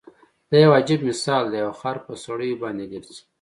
دا يو عجیب مثال دی او خر په سړیو باندې ګرځي.